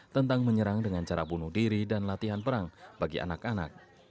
tentang menyerang dengan cara bunuh diri dan latihan perang bagi anak anak